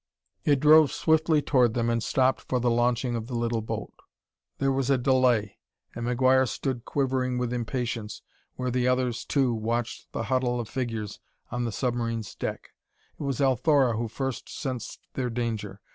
It drove swiftly toward them and stopped for the launching of the little boat. There was a delay, and McGuire stood quivering with impatience where the others, too, watched the huddle of figures on the submarine's deck. It was Althora who first sensed their danger.